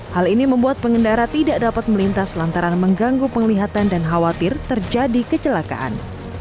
hal ini membuat pengendara tidak dapat melintas lantaran mengganggu penglihatan dan khawatir terjadi kecelakaan